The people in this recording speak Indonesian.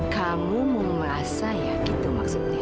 kamu mau mengasah ya itu maksudnya